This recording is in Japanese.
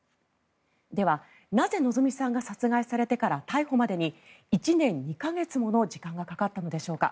では、なぜ希美さんが殺害されてから逮捕までに１年２か月もの時間がかかったのでしょうか。